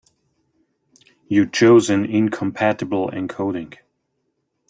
You chose an incompatible encoding.